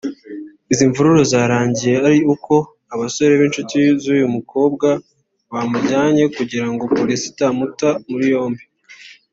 Izi mvururu zarangiye ari uko abasore b’inshuti z’uyu mukobwa bamujyanye kugira ngo polisi itamuta muri yombi